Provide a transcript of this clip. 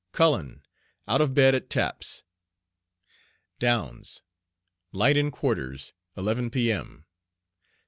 CULLEN. Out of bed at taps. DOUNS. Light in quarters, 11 p.m.